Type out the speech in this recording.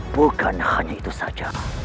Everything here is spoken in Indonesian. bukan hanya itu saja